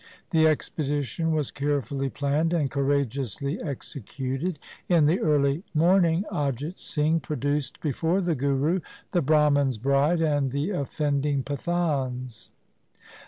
The expedition was carefully planned and courageously executed. In the early morning Ajit Singh produced before the Guru the Brahman's bride and the offending Pathans.